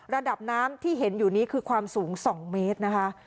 ระดับน้ำที่เห็นอยู่นี้คือความสูง๒เมตรนะคะ